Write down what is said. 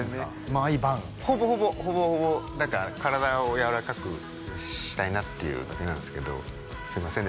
毎晩ほぼほぼほぼほぼ体をやわらかくしたいなっていうだけなんですけどすいませんね